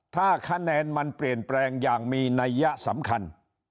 ถ้าคะแนนมันเปลี่ยนแปลงอย่างมีนัยยะสำคัญ